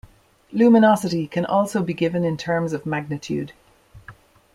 Luminosity can also be given in terms of magnitude.